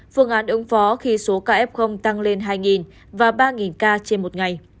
phương án ứng phó khi số ca f tăng lên hai và ba ca trên một ngày